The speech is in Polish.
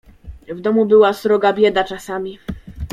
"W domu była sroga bieda czasami."